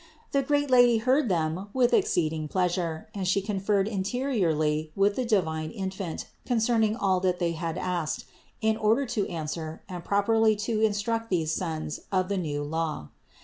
The great Lady heard them with exceeding pleasure and She con ferred interiorly with the divine Infant concerning all that they had asked, in order to answer and properly to instruct these sons of the new Law.